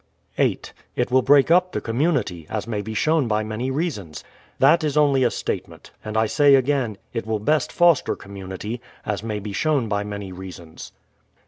8. It will break up the community, as may be shown by many reasons :— That is only a statement; and I say again, it will best foster com munity, as may be shown by many reasons.